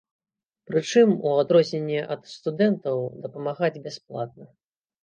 Прычым, у адрозненне ад студэнтаў, дапамагаць бясплатна.